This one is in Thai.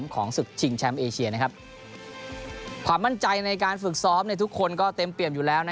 ความมั่นใจในการฝึกซอสได้เต็มเปรี่ยนอยู่แล้ว